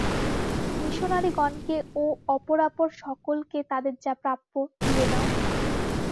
মিশনরীগণকে ও অপরাপর সকলকে তাদের যা প্রাপ্য, দিয়ে দাও।